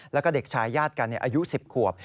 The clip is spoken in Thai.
แล้วก็เด็กชายญาติกันอายุ๑๐ขวบ